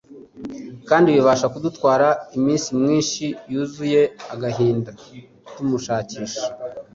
kandi bibasha kudutwara iminsi mwinshi yuzuye agahinda tumushakashaka